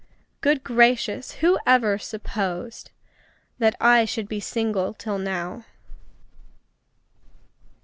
Good gracious! who ever supposed That I should be single till now?